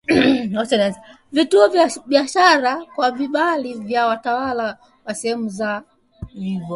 vituo vya biashara kwa vibali vya watawala wa sehemu za